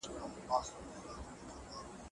خو توپیر یې